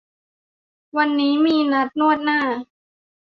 วันนี้มีนัดนวดหน้า